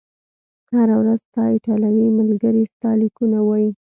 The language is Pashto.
هره ورځ، ستا ایټالوي ملګري ستا لیکونه وایي؟